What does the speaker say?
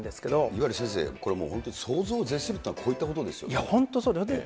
いわゆる先生、これもう本当に、想像を絶するというのは、こういったことですよね。